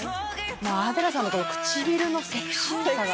アデラさんの唇のセクシーさが。